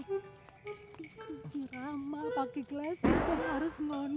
itu si rama pakai kleser seharusnya wony